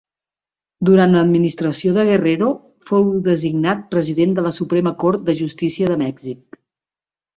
Durant l'administració de Guerrero, fou designat president de la Suprema Cort de Justícia de Mèxic.